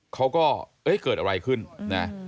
เขาก็เกิดอะไรขึ้นนะ